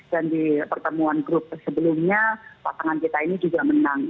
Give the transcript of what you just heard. dan di pertemuan grup sebelumnya pasangan kita ini juga menang